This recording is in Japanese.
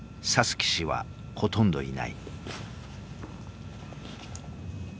棋士はほとんどいない。